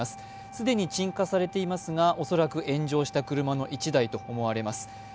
既に鎮火されていますが恐らく炎上した車の１台と思われます。